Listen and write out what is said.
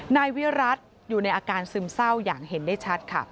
นายวิรัติอยู่ในอาการซึมเศร้าอย่างเห็นได้ชัดค่ะ